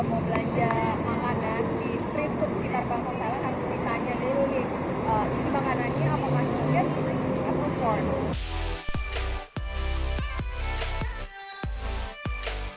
isi makanannya sama makanan kita seperti makanan kaki dan roti